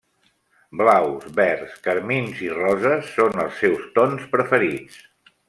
Blaus, verds, carmins i roses són els seus tons preferits.